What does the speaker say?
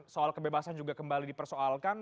soal kebebasan juga kembali dipersoalkan